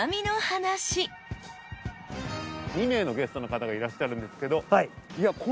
２名のゲストの方がいらっしゃるんですけどいや